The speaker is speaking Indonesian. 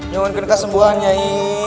nyungun kena kesembuhan nyai